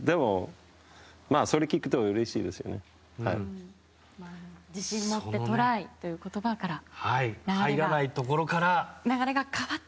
でも、それ聞くとうれしいです自信、持ってトライ！という言葉から流れが変わって。